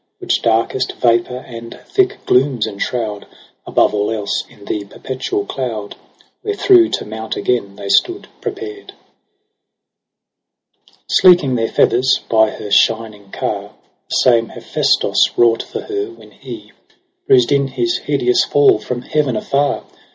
Which darkest vapour and thick glooms enshroud Above all else in the perpetual cloud, Wherethro' to mount again they stood prepared. lyo EROS & PSYCHE 3 Sleeking their feathers, by her shining car j The same Hephsestos wrought for her, when he. Bruised in his hideous fall from heaven afar.